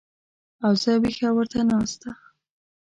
او زه وېښه ورته ناسته